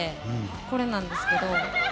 これなんですけど。